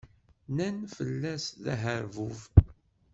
Nnan fell-as d aherbub.